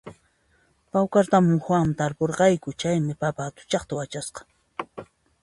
Pawkartambo muhuwanmi tarpurqayku, chaymi papa hatuchaqta wachasqa